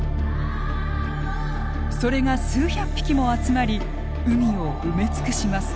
それが数百匹も集まり海を埋め尽くします。